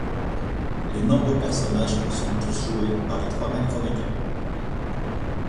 Les nombreux personnages sont tous joués par les trois mêmes comédiens.